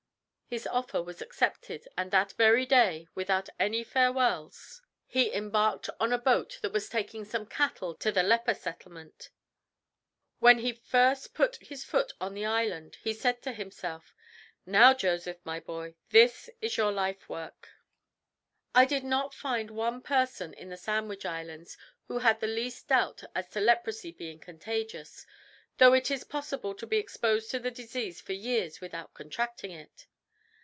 His offer was accepted, and that very day, without any farewells, he embarked on a boat that was taking some cattle to the leper settlement. When he first put his foot on the island he said to himself, "Now Joseph, my boy, this is your life work." I did not find one person in the Sandwich Islands who had the least doubt as to leprosy being contagious, though it is possible to be exposed to the disease for years without contracting it.